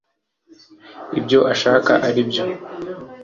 ibyo ashaka ari ibyo